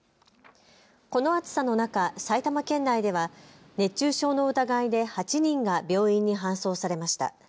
この暑さの中、埼玉県内では熱中症の疑いで８人が病院に搬送されました。